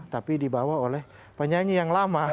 tapi dibawa oleh penyanyi yang lama